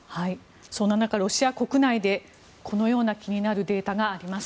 そんな中、ロシア国内でこのような気になるデータがあります。